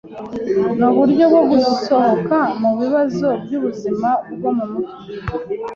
Nuburyo bwo gusohoka mubibazo byubuzima bwo mumutwe?